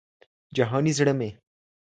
جهاني زړه مي